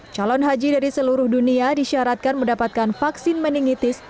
calon haji dari seluruh dunia disyaratkan mendapatkan vaksin meningitis